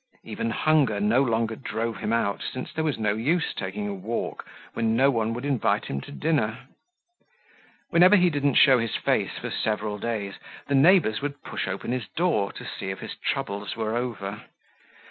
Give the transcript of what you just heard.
Even hunger no longer drove him out since there was no use taking a walk when no one would invite him to dinner. Whenever he didn't show his face for several days, the neighbors would push open his door to see if his troubles were over.